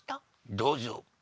どうぞ。